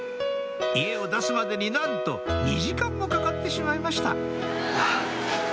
家を出すまでになんと２時間もかかってしまいました